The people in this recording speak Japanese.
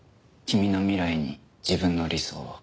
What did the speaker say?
君の未来に自分の理想を。